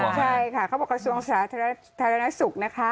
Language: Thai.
ใช่ค่ะเขาบอกกระทรวงศาสตร์ธรรณสุข